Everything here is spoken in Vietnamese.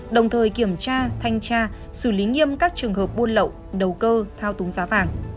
đồng thời kiểm tra thanh tra xử lý nghiêm các trường hợp buôn lậu đầu cơ thao túng giá vàng